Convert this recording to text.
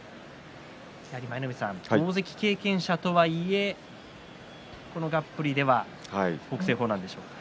やはり大関経験者とはいえこのがっぷりでは北青鵬なんでしょうか。